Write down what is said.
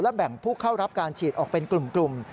แบ่งผู้เข้ารับการฉีดออกเป็นกลุ่ม